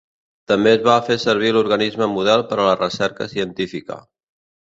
També es fa servir d'organisme model per a la recerca científica.